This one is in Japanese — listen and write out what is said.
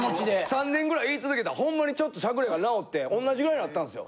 ３年ぐらい言い続けたらほんまにちょっとしゃくれが直って同じぐらいになったんですよ。